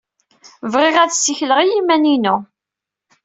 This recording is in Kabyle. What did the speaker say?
Bɣiɣ ad ssikleɣ i yiman-inu.